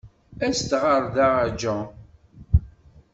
As-d ɣer da a John.